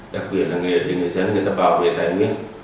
đặc biệt là người dân người ta bảo vệ tài nguyên